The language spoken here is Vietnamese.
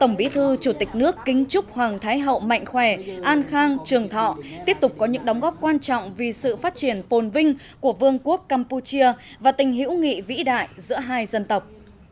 tổng bí thư chủ tịch nước kính chúc hoàng thái hậu mạnh khỏe an khang trường thọ tiếp tục có những đóng góp quan trọng vì sự phát triển phồn vinh của vương quốc campuchia và tình hữu nghị vĩ đại giữa hai dân tộc